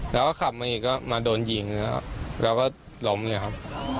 แล้วก็ขับมาอีกก็มาโดนยิงแล้วก็ล้มเลยครับ